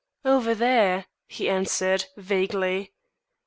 "Over there," he answered, vaguely.